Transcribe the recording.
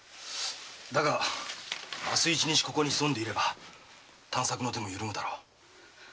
だが明日一日ここに潜んでいれば探索の手も緩むだろう。